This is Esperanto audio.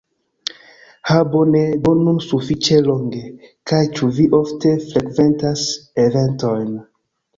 Ha bone do dum sufiĉe longe! kaj ĉu vi ofte frekventas eventojn